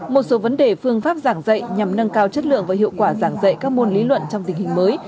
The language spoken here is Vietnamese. một số vấn đề phương pháp giảng dạy nhằm nâng cao chất lượng và hiệu quả giảng dạy các môn lý luận trong tình hình mới